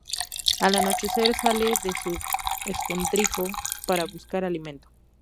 Al anochecer sale de su escondrijo para buscar alimento.